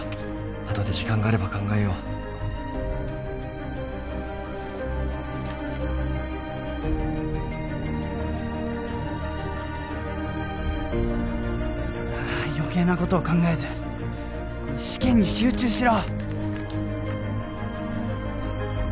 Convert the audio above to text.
あとで時間があれば考えようああ余計なことを考えず試験に集中しろ！